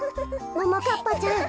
ももかっぱちゃん